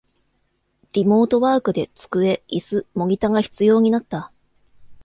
リモートワークで机、イス、モニタが必要になった